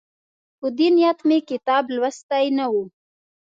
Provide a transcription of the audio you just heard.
په دې نیت مې کتاب لوستی نه وو.